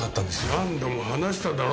何度も話しただろ？